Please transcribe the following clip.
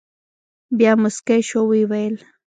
بیا مسکی شو او ویې ویل.